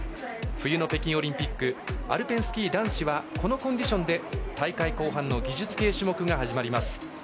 冬の北京オリンピックアルペンスキー男子はこのコンディションで大会後半の技術系種目が始まります。